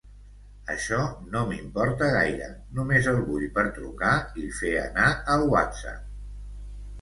Això no m'importa gaire, només el vull per trucar i fer anar el whatsapp.